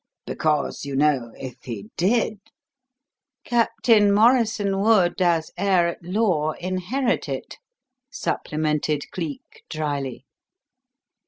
Because, you know, if he did " "Captain Morrison would, as heir at law, inherit it," supplemented Cleek, dryly.